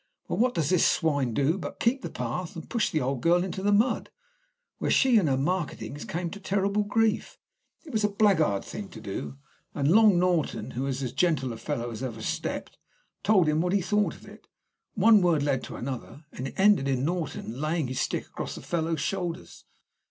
Well, what does this swine do but keep the path, and push the old girl into the mud, where she and her marketings came to terrible grief. It was a blackguard thing to do, and Long Norton, who is as gentle a fellow as ever stepped, told him what he thought of it. One word led to another, and it ended in Norton laying his stick across the fellow's shoulders.